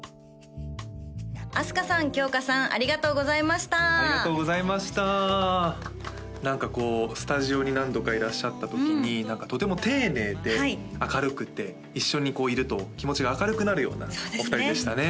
あすかさんきょうかさんありがとうございましたありがとうございました何かこうスタジオに何度かいらっしゃった時に何かとても丁寧で明るくて一緒にこういると気持ちが明るくなるようなお二人でしたね